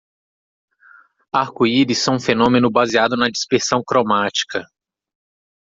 Arco-íris são um fenômeno baseado na dispersão cromática.